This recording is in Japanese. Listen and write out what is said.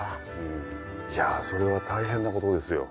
いやそれは大変なことですよ。